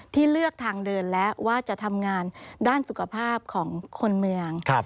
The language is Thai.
เลือกทางเดินแล้วว่าจะทำงานด้านสุขภาพของคนเมือง